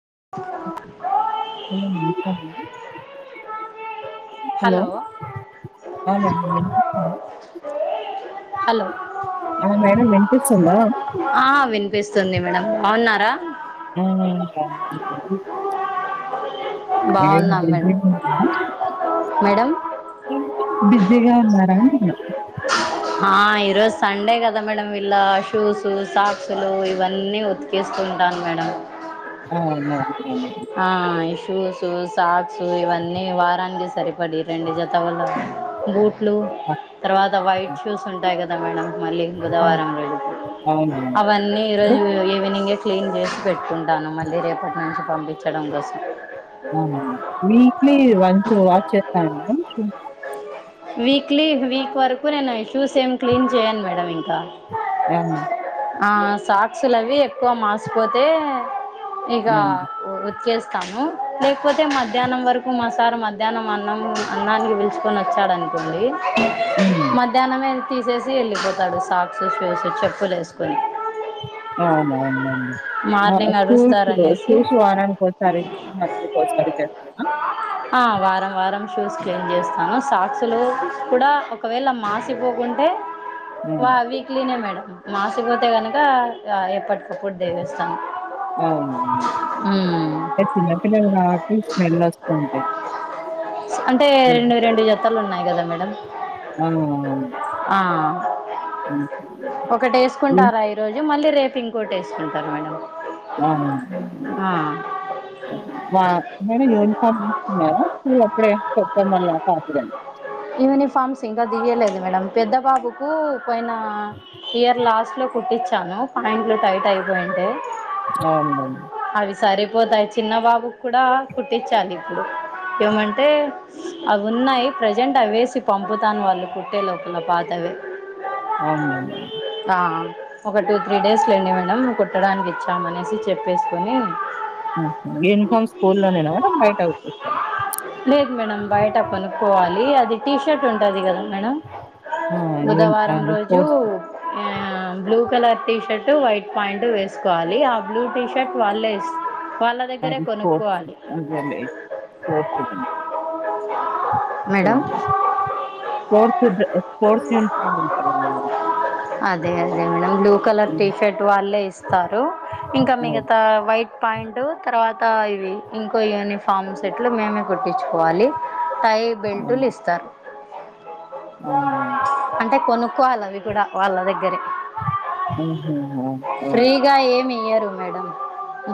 [unintelligible] Hello ఆ madam వినిపిస్తుంది hello ఆ మేడం వినిపిస్తుందా ఆ వినిపిస్తుంది మేడం బావున్నారా హ్ [unintelligible] బాగున్నాం మేడం మేడం బిజిగా ఉన్నారా అంటున్న ఆ ఈరోజు సండే కదా మేడం వీళ్ళ షూస్ సాక్స్ అసలు ఇవన్నీ ఉతికేస్తుంటాను మేడం [unintelligible] ఆ ఈ షూసు సాక్సు ఇవన్నీ వారానికి సరిపో ఒకడి రెండు జత వల బూట్లు తర్వాత వైట్ షూస్ ఉంటాయి కదా మేడం మళ్ళీ ఆ బుధవారం రోజు కు అవును మేడం అవన్నీ అంటే ఈరోజు ఈవినింగే క్లీన్ చేసి పెట్టుకుంటాను మళ్ళీ రేపటి నుంచి పంపించడం కోసం అమ్మ వీక్లీ వన్స్ వాష్ చేస్తాను షూస్ వీక్లీ వీక్ వరకు నేను ఇషూస్ ఏం క్లీన్ చేయను మేడం ఇంకా అవును ఆ సాక్సులు అవి ఎక్కువ మాసిపోతే ఇగా మేడం ఉతికేస్ తను లేకపోతే మధ్యాహ్నం వరకు మాసార్ మధ్యాహ్నం అన్నం అన్నానికి పిలుచుకుని వచ్చ వచ్చాడనుకోండి ఉమ్ మధ్యాహనమే తీసేసి వెళ్ళిపోతాడు సాక్స్ షూస్ చెప్పులు వేసుకొని ఆవునవును మార్నింగ్ షూస్ అరుస్తారనేసి షూస్ వారానికి కోసారి మాంట్లి కోసారి చేస్తన్న ఆ వారం వారం షూస్ క్లీన్ చేస్తాను సాక్సులు కూడా ఒకవేళ మాసిపోకుంటే ఉమ్ వా వీక్లీనే మేడం మాసి పోతే కనుక ఎప్పటికప్పుడు దేవేస్తాను అవును ఉమ్ చిన్నపిల్లకి కాబట్టి స్మెల్ వస్తుంటాయి అంటే ఉమ్ రెండు రెండు జతలు ఉన్నాయి కదా మేడం ఆ అ ఆ ఒకటి వేసుకుంటారా ఈరోజు మళ్ళీ రేపు ఇంకోటి వేసుకుంటారు మేడం ఆ ఆ మేడం యూనిఫామ్ తీసుకున్నారా ఫ్రెండ్స్ చెప్ప మల్ళ పాపదని యూనిఫార్మ్స్ ఇంకా దియలేదు మేడం పెద్ద బాబుకు పోయిన ఇయర్ లాస్ట్ లో కుట్టించాను పాయింట్లు టైట్ అయిపోయింటే అవునులెన్ అవి సరిపోతాయి చిన్న బాబు కూడా కుట్టించాలి ఇప్పుడు ఏమంటే అవి ఉన్నాయి ప్రజ ప్రజెంట్ అవి వేసి పంపుతాను వాళ్ళు కుట్టే లోపల పాతవే అవునులె మేడం ఆ ఒక టూ త్రీ డేస్ లేండి మేడం కుట్టడానికి ఇచ్చామ అనేసి చెప్పేసుకుని యూనిఫామ్ స్కూల్లోనేనా మేడం బయట కుట్టిస్తారా లేదు మేడం బయట కొనుక్కోవాలి అది టీ షర్ట్ ఉంటది కదా మేడం యూని బుధవారం అది రోజు స్పోర్ట్స్ ఆ, [inaudible] blue colour T shirt white pant వేసుకోవాలి ఆ బ్లూ టీ షర్ట్ వాళ్ళే ఇ అది స్పోర్ట్స్ అదే స్పోర్ట్స్ మేడం స్పోర్ట్స్ వద్దు స్పోర్ట్స్ యూనిఫార్మ్ అంటారు మేడం అదే అదే మేడం బ్లూ కలర్ టీషర్ట్ వాళ్ళే ఇస్తారు ఇంకా అవును మిగతా వైట్ పాయాంట్ తర్వాత ఇవి ఇంకో యూనిఫామ్ సెట్లు మేమే కుట్టించుకోవాలి టై బెల్ట్ టులు ఇస్తారు ఆవున తక్కువాలి అవి కూడా వాళ్ళ దగ్గరే ఊహు, ఆ, ఆ, ఫ్రీగా ఏమి ఇయ్యరు మేడం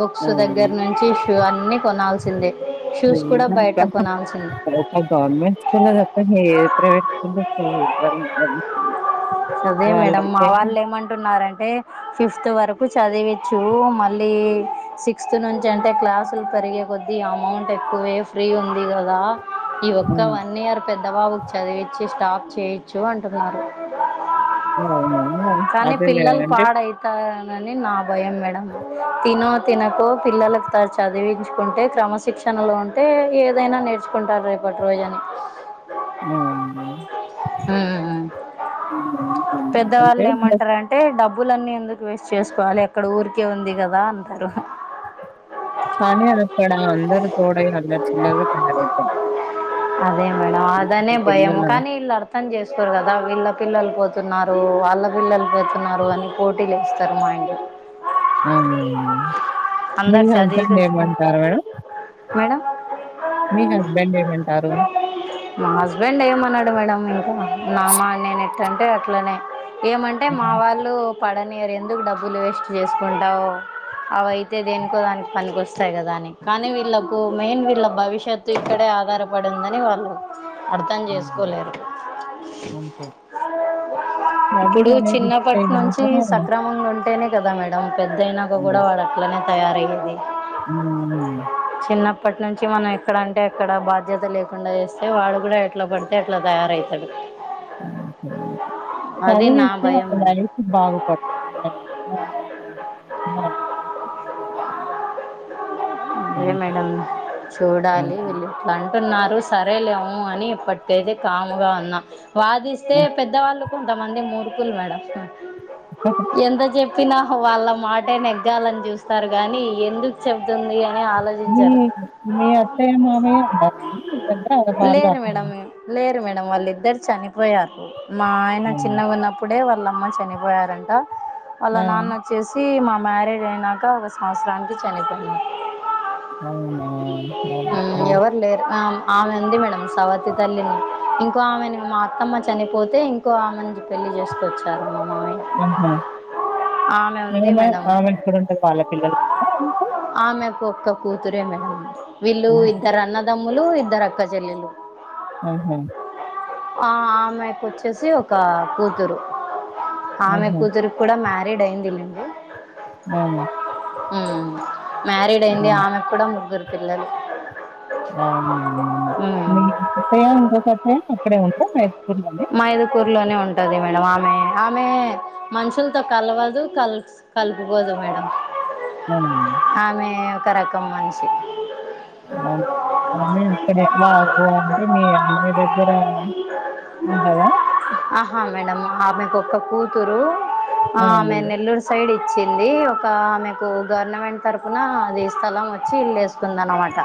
బుక్స్ అవును దగ్గర నుంచి షూ అన్ని కొనాల్సిందే షూస్ కూడా ఫ్రీగా బయట కొనాల్సిందే గవర్నమెంట్ స్కూల్లో తప్ప ఏ ప్రైవేట్ స్కూల్ [unintelligible] అదే మేడం మా వాళ్ళు ఏమంటున్నారంటే ఫిఫ్త్ వరకు చదివిచ్చు మళ్ళీ సిక్స్త్ నుంచి అంటే క్లాసులు జరిగే కొద్ది అమౌంట్ ఎక్కువే ఫ్రీ ఉంది కదా ఈ ఒక్క ఉమ్, వన్ ఇయర్ పెద్ద బాబుకి చదివిచ్చి స్టాప్ చేయిచ్చు అంటున్నారు అను కానీ పిల్లలు పాడైతా అని నా భయం మేడం తినో తినకో పిల్లలకు త చదివించుకుంటే క్రమశిక్షణ రక్షణలో ఉంటే ఏదైనా నేర్చుకుంటారు రేపటి రోజని అంటే బట్ మంటార అంటే డబ్బు డబ్బులన్నీ ఎందుకు వేస్ట్ చేసుకోవాలి ఎక్కడ ఊరికే ఉంది కదా అంటారు కానీ అదాకాడ అందర్ తోడై అల్లరి చిల్లరీగా తయారైతారు అదే మేడం అదనే భయం కానీ వీళ్ళు అర్థం చేసుకోరు కదా వీళ్ళ పిల్లలు పోతు పెతున్నారు వాళ్ళ పిల్లలు పెడుతున్నారు అని పోటీలు ఇస్తారు మా ఇంటిలో ఆ మీ అందరు చదివి హస్బెండ్ కొంచెం ఏమంటారు మేడం మేడం మీ హస్బెడ్ంటారు మా హస్బెండ్ ఏమన్నాడు మేడం ఇంకా నామ్మా నేనే ట్ంటే అట్లనే ఏమంటే మా హ్మ్. వాళ్ళు పడనిరు ఎందుకు డబ్బులు వేస్ట్ చేసుకుంటావు అవయితే దేనుకో దానికి పనికొస్తాయి కదా అని కానీ వీళ్ళకు మెయిన్ వీళ్ళ భవిష్యత్తు ఇక్కడే ఆధారప్పాడుందని వాళ్ళు అర్థం హ్మ్. చేసుకోలేరు అంతే. ఇప్పుడు చదువనేది ఇస్తే చిన్నప్పటి గనక నుంచి సక్రమంగా ఉంటేనే కదా మేడ పెద్దయినాక కూడా వాడు అట్లనే తయారయ్యేది ఉం అప్పటి నుంచి మనం ఎక్కడంటే అక్కడ బాధ్యత లేకుండా చేస్తే వాడు కూడా ఎట్లా పడితే అట్లా తయారైతడు ఉహామ్ నా చదివిస్తే భయం వాళ్ మేడం లైఫ్ బాగుపడుతుందాని [unintelligible] అ అదే మేడం చూడాలి అవును. వెళ్ళ పన్ టున్నారు సరేలేము అని ఇప్పటికేతే కాముగా ఉన్నా వాదిస్తే హ్మ్. పెద్దవాళ్ళు కొంతమంది మూర్కులు మేడం ఎంత చె ప్పిన వాళ్ళ మాటే నెగ్గాలని చూస్తారు కానీ ఎందుకు చెబతుంది మీ ఆలోచించారు మీ అత్తయ్య, మామయ్య ఉన్నారండి మీ దగ్గర? వాళ్ళు లేరు అక్కడ మేడం లేరు లేరు మేడం వాళ్ళిద్దరు చనిపోయారు మా ఆయన ఉంటారండి. చిన్నగా ఉన్నప్పుడే వాళ్ళమ్మ చనిపోయారంట వాళ్ళ ఆ! నాన్న వచ్చేసి మా మ్యారేజ్ అయినాక ఒక సంవత్సరానికి చనిపోయినారు అవునా! హ్మ్ ఓకే. ఎవరులేరు ఆ ఆమె ఉంది మేడం సవతి తల్లిని ఇంకో ఆమెను మా అత్తమ్మ చనిపోతే ఇంకో ఆమెను పెళ్లి చేసుకొచ్చారు మామయ్య ఆహ ఆమె ఉంది నిజమే మేడం ఆమె ఇక్కడుంటాది వాళ్ళ పిల్లలకు అక్క కూతురే మేడం వీళ్ళు ఆహా! ఇద్దరు అన్నదమ్ములు ఇద్దరు అక్క చెల్లెలు ఆహా! ఆ అమ్మాయి వచ్చేసి ఒక కూతురు ఆమె ఆహా! కూతురుకి కూడా మ్య రేడ్ అయిందిలండి ఆ హ్మ్ మారీడ్ అయింది అవును. ఆమె కూడా ముగ్గురు పిల్లలు అవున మీ మ్మ్. అత్తయ్య ఇంకొక అత్తయ్య అక్కడే ఉంటారా మైదుకూరులోనే? మా ఎదురకు లోనే ఉంటది మేడం ఆమె ఆమె మనుషులతో కలవదు క కలుపుకోదు మేడం అవును. ఆమె ఒక రకం మనిషి అవునా. అవునులే అక్కడే వా అంటే మీ ఆయన దగ్గర. ఉంటదా? ఆహా మేడం ఆమెకు ఒక్క కూతురు. ఆ! ఆహ్ ఆమెను నెల్లూరు సైడ్ ఇచ్. వచ్చింది ఇంకా ఆమెకు గవర్నమెంట్ తరుపున అది స్థలం వచ్చి ఇల్లు వేసుకుంది అన్నమాట.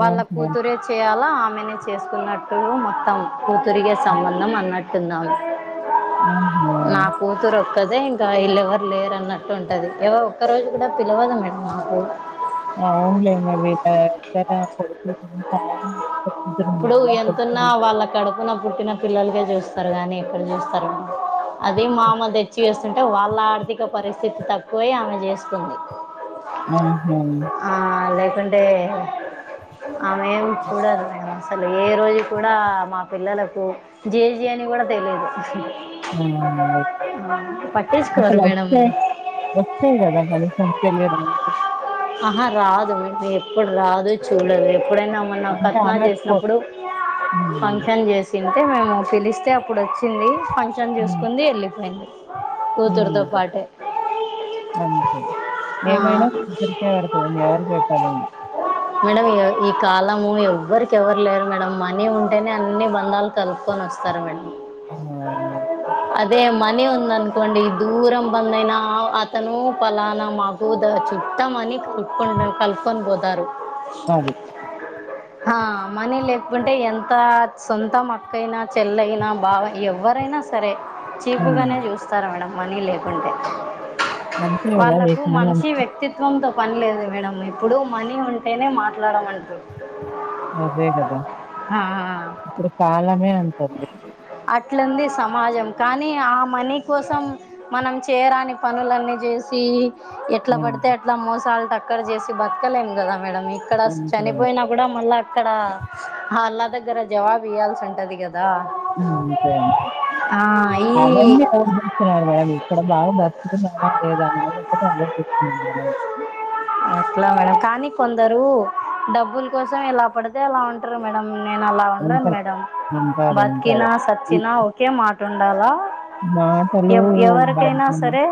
ఆహా! కూతురే చేయాలా ఆమెనే చేసుకున్నట్టు మొత్తం. కూతురిగే సంబంధం అన్నట్టుందామే. అవునా. తాదే ఇంకా వీళ్ళ ఎవరు లేరన్నట్టు ఉంటది ఎవరు ఒక్కరోజు కూడా పిలవదు ఆమే మాకు. అవునులే [unintelligible] వాళ్ళా కడుపున పుట్టిన పిల్లలకే చూస్తారుగానీ ఎప్పుడు చూస్తారు. అది మామ తెచ్చిచేస్తుంటే వాళ్ళ ఆర్థిక పరిస్థితి తక్కువై ఆమె చేసుకుంది. ఆహ్. ఎందుకంటే ఆమె ఏమిచ్చిందో అసలు ఏ రోజు కూడా ఆమె. పిల్లలకు జేజి అని కూడా తెలియదు. ఆ అమ్మాయికి. ఆ, అసలు పట్టించుకోరు వస్తే మేడం వస్తే కదా తనకు తెలియడానికి. ఆహా రాదు ఆమె ఎప్పుడు రాదు చూడలేదు. ఎప్పుడైనా మొన్న అంటే కట్నాలు అలా కొ చేసినప్పుడు హ్మ్. ఫంక్షన్ చేసింటే మేము పిలిస్తే. అయితే అప్పుడోచ్చింది ఫంక్షన్ చూసుకుంది వెళ్ళిపోయింది. కూతురుతో ఆహ్ పాటే అంతే ఆ, ఏమైనా. [unintelligible] పెడుతది ఇంకా ఎవరికి పెట్టాదు ఇంకా. మేడం ఈ కాలము ఎవ్వరికి ఎవరు లేరు మేడం మనీ ఉంటేనే అన్ని బంధాలు కలుపుకొని వస్తారు మేడం. అవును. అదే మనీ ఉంది అనుకోండి దూరం బంధువు అయినా అతను ఫలానా మాకు దాచి. మని కలుపుకు కలుకొని పోతారు. అది. ఆహ్ మనీ లేకుంటే ఎంత సొంతం అక్కైనా చెల్లైనా బావ ఎవరైనా. అయినా సరే హ్మ్. చీపుగానే చూస్తారూ మేడం మనీ లేకుంటే. అంతే కదా ఈ వాళ్లకు కాలం. మనిషి వ్యక్తిత్వ. తో పని లేదు మేడం ఇప్పుడు మనీ ఉంటేనే మాట్లాడమంటారు. అదే గదా ఆ, ఇప్పుడు కాలమే అంతుంది. అట్లుంది సమాజం కానీ ఆ మనీ కోసం మనం చేయరాని పనులన్నీ చేసి. ఎట్లా హ్మ్. పడుతే. మోసాలు టక్కర్ చేసి బతకలేము కదా. మేడం ఇక్కడ అంతే. చనిపోయినా కూడా మళ్ళా అక్కడ వల దగ్గర. దగ్గర జవాబు ఇయ్యాల్సి ఉంటది కదా ఉమ్ గంతే. ఆ ఈ అవన్నీ ఎవరు చూస్తున్నారు మేడం ఇక్కడ బాగా బతుకుతున్నామా లేదా అనేది ఒక్కటే ఆలోచిస్తున్నారు మేడం. అట్లానా కానీ. కొందరు డబ్బుల కోసం ఎలా పడితే అలా ఉంటారు మేడం. నేను అలా ఉండను ఉంటారు. మేడం ఉంటారు. ఉంటారు. బతికినా ఈ సచ్చినా ఒకే మాట ఉండాలా. మాటలు ఎవ్ ఎవరికైనా బయటన సరే.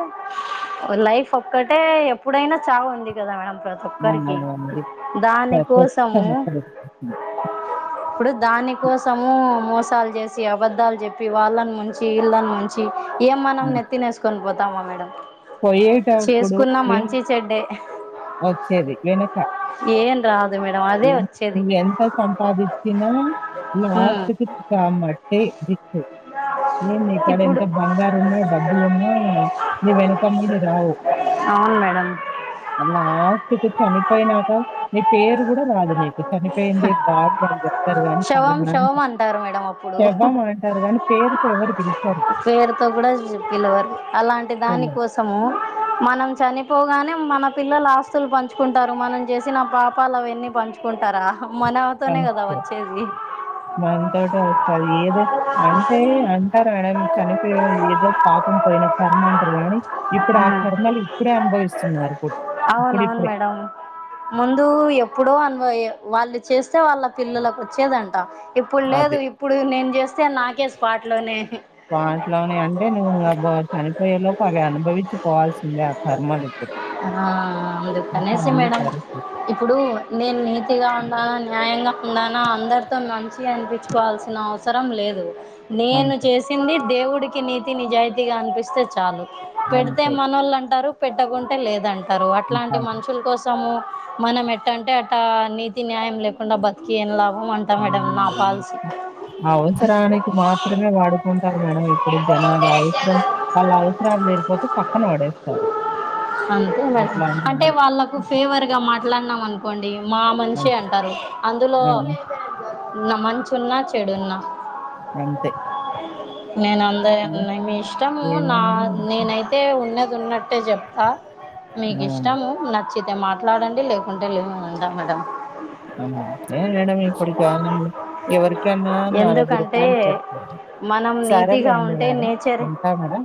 లైఫ్ ఒక్కటే ఎప్పుడైనా చావు ఉంది కదా మేడం. ప్రతి ఆ! ఒక్కరికి దాని కోసము. అప్పుడు దాని కోసము మోస్ సాలు చేసి అబద్ధాలు చెప్పి వాళ్ళని ముంచి ఇళ్ళని ముంచి ఏం మనం హ్మ్. నెత్తినేసుకొని పో త్తమ మేడం పోయేటప్పుడు పోయేన్ మంచి చెడ్డే వచ్చేది వెనుక ఏం రాదు మేడం అదే ఏం వచ్చేది నువ్వు ఎంత సంపాదించినా లాస్ట్కి కామట్టే దిక్కు ఏంది ఇక్కడ ఇప్పుడు ఎంత బంగారం ఉన్నా డబ్బులున్నా నీ వెనకమ్మడి రావు అవును మేడం లాస్ట్కి చనిపోయినాక నీ పేరు గూడా రాదు నీకు చనిపోయిందే బాగా చెప్తారు కాని శవం పలాన అంట శవం అంటారు మేడం అప్పుడు శవమంటారు కాని పేరుతో ఎవరు పిలుస్తారు పేరుతో కూడ పిలవరు అలాంటి దాని వీళ్ళు కోసము మనం చనిపో గానే మన పిల్లలు ఆస్తులు పంచుకుంటారు మనం చేసి నా పాపాలు అవన్నీ పంచుకోరు మనతోనే కదా సంస్‌లో. వచ్చేది మనతోటే వస్తది ఏదై అంటే అంటారు మేడం చనిపో ఏదో పాపం పోయిన కర్మ అంటారు గాని ఇప్పుడు ఆ కర్మలు ఇప్పుడే అనుభవిస్ అవునవును మేడం ముందు ఎప్పు డు అనుభవియం వాళ్ళు చేస్తే వాళ్ళ పిల్లలకు వచ్చేదంట ఇప్పుడు లేదు అది. ఇప్పుడు నేను చేస్ చే నాకే స్పాట్లోనే స్పాట్లోనే అంటే నువ్వు నబో చనిపోయే లోపు అవి అనుభవించి పోవల్సిందే ఆ కర్మ ఆ అందు అట్లా కనేసి ఉంది మేడం పరిస్థితి. ఇప్పుడు నేను నీతిగా ఉ న న్యాయంగా ఉన్నానా అందరితో మంచిగా అనిపించుకోవాల్సిన అవసరం లేదు నేను అంతే. చేసింది దేవుడికి నీతి నిజాయితీగా అనిపిస్తే చాలు పెడితే అంతే. మనోళ్ళు అంటారు పెట్టకుంటే లేదంట టరు అట్లాంటి అంటారు. మనుషుల్ కోసము మనం ఎట్టంటే ట నీతి న్యాయం లేకుండా బతికి ఏం లాభం అంట మేడం నా హ్మ్. పాల్సీ అవసరానికి మాత్రమే వాడుకుంటారు మేడం ఇప్పుడు జనాలు అవసరం వాళ్ళ అవస రాలు జరిపోతే పక్కన పడేస్తారు అంతే మేడం అట్లాంటి అంటే వాళ్ళు. వాళ్ళకు ఫేవర్ గా మాట్లాడినాం అనుకోండి డి మా మనిషి అంతే. అంటారు అందులో హ్మ్. నమంచి ఉన్నా చెడున్న అంతే నేను అందరి హ్మ్. అన్నయ్ మీ ఇష్టము నా హ్మ్. నేనైతే ఉన్న ఉన్నట్టే జేప్తా మీకు ఆ! ఇష్టము నచ్ చ్చితే మాట్లాడండి లేకుంటే లేదు నేను ఉంటాను మేడం ఏ మేడం ఇప్పడు కాదండి ఎవరికన్నా నాలుగు ఎందుకంటే రూపాయలు పె మనం నీతిగా ఉంటే నేచరు మేడం.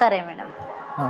సరే మేడం ఆ!